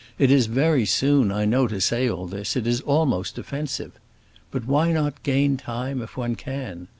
It is very soon, I know, to say all this; it is almost offensive. But why not gain time if one can?